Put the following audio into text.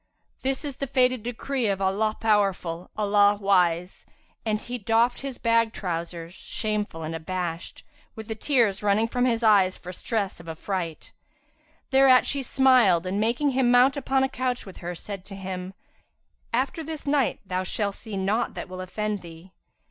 This is the fated decree of the All powerful, the All wise!"; and he doffed his bag trousers, shamefull and abashed, with the tears running from his eyes for stress of affright. Thereat she smiled and making him mount upon a couch with her, said to him, "After this night, thou shalt see naught that will offend thee."